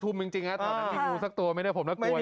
ทุ่มจริงจริงครับต่างที่งูสักตัวไม่ได้ผมนักกลัวจริงจริง